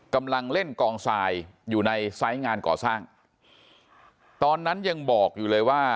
กำลังเล่นกองทรายอยู่ในไซส์งานก่อสร้างตอนนั้นยังบอกอยู่เลยว่า